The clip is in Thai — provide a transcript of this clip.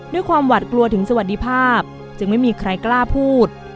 ด้วยความหวัดกลัวถึงสวัสดีภาพจึงไม่มีใครกล้าพูด